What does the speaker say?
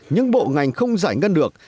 những bộ ngành không giải ngân được